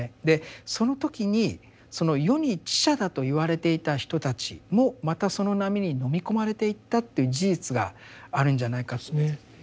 でその時にその世に知者だと言われていた人たちもまたその波にのみ込まれていったという事実があるんじゃないか。